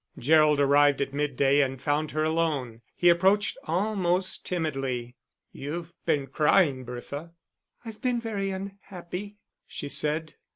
Gerald arrived at midday and found her alone. He approached almost timidly. "You've been crying, Bertha." "I've been very unhappy," she said.